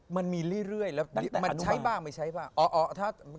มันมีเรื่อยแล้วมันใช้บ้างไม่ใช้บ้าง